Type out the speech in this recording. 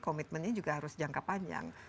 komitmennya juga harus jangka panjang